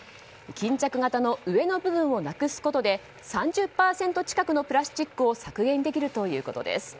巾着型の上の部分をなくすことで３０％近くのプラスチックを削減できるということです。